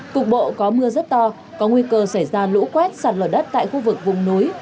cục bộ có mưa rất to có nguy cơ xảy ra lũ quét sạt lở đất tại khu vực vùng núi